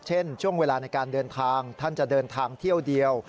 เช่นช่วงเวลาในการเดินทางท่านจะเดินทางเที่ยวเดียว